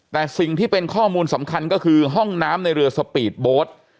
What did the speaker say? แต่สิ่งที่เป็นข้อมูลสำคัญก็คือห้องน้ำในเรือสปีดโบสต์